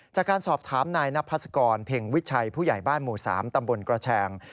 จากการสอบถามนายนพัศกรเพ็งวิชัยผู้ใหญ่บ้านหมู่๓ตำบลกระแชง